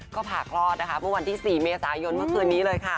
ก็ผ่าคลอดนะคะเมื่อวันที่๔เมษายนเมื่อคืนนี้เลยค่ะ